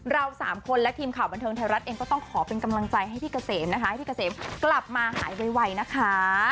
เราสามคนและทีมข่าวบันเทิงไทยรัฐเองก็ต้องขอเป็นกำลังใจให้พี่เกษมนะคะให้พี่เกษมกลับมาหายไวนะคะ